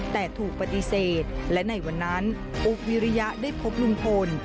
แต่ถูกปฏิเสธและในวันนั้นอุ๊บวิริยะได้พบลุงพล